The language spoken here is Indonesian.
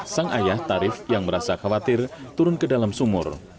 sang ayah tarif yang merasa khawatir turun ke dalam sumur